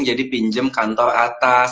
jadi pinjem kantor atas